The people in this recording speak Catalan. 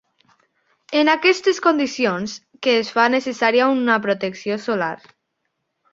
És en aquestes condicions que es fa necessària una protecció solar.